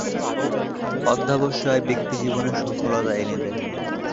অধ্যবসায় ব্যক্তিজীবনে সফলতা এনে দেয়।